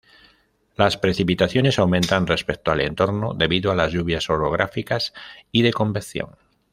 Las precipitaciones aumentan respecto al entorno debido a las lluvias orográficas y de convección.